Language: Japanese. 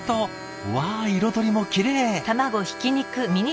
わ彩りもきれい。